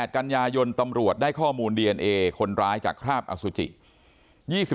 กันยายนตำรวจได้ข้อมูลดีเอนเอคนร้ายจากคราบอสุจิ